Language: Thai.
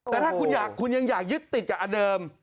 แต่ถ้าคุณยังอยากยึดติดกับอันเดิม